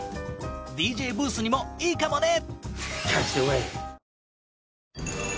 ＤＪブースにもいいかもね。